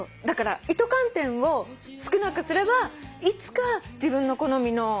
だから糸寒天を少なくすればいつか自分の好みの。